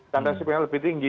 tanda sebenarnya lebih tinggi